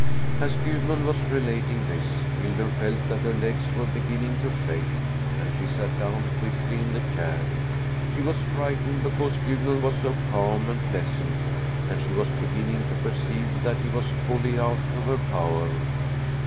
As Gudmund was relating this, Hildur felt that her legs were beginning to shake, and she sat down quickly in the chair. She was frightened because Gudmund was so calm and pleasant, and she was beginning to perceive that he was wholly out of her power.